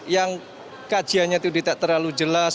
yang kajiannya itu tidak terlalu jelas